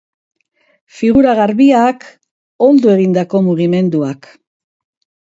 Figura garbiak, ondo egindako mugimenduak.